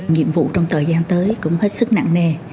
nhiệm vụ trong thời gian tới cũng hết sức nặng nề